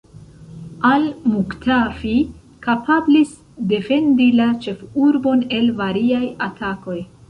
Al-Muktafi kapablis defendi la ĉefurbon el variaj atakoj.